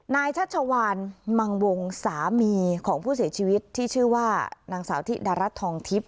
ชัชวานมังวงสามีของผู้เสียชีวิตที่ชื่อว่านางสาวธิดารัฐทองทิพย